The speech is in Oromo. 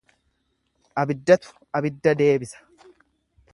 Abiddatu abidda deebisa.